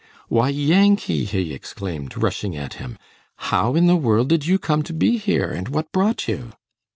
"Why, Yankee!" he exclaimed, rushing at him, "how in the world did you come to be here, and what brought you?"